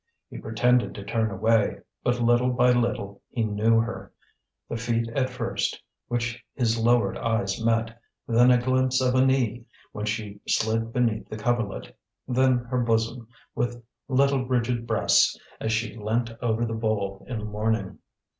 He pretended to turn away; but little by little he knew her: the feet at first which his lowered eyes met; then a glimpse of a knee when she slid beneath the coverlet; then her bosom with little rigid breasts as she leant over the bowl in the morning.